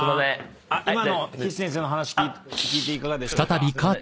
今の岸先生の話聞いていかがでしょうか？